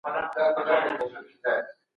سياستپوهنه د سياسي ګوندونو کارونه هم څېړي.